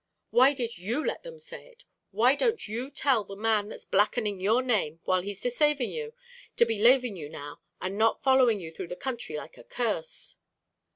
"Why did you let them say it? Why don't you tell the man that's blackening your name while he's desaving you, to be laving you now, and not following you through the country like a curse?"